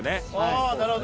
ああーなるほど。